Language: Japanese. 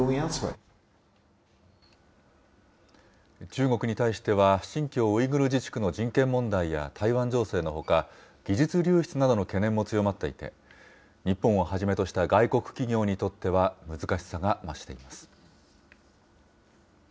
中国に対しては、新疆ウイグル自治区の人権問題や台湾情勢のほか、技術流出などの懸念も強まっていて、日本をはじめとした外国企業にとっては、難しさが増しています。